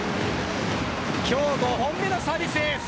今日５本目のサービスエース。